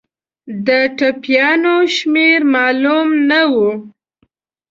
د ټپیانو شمېر معلوم نه وو.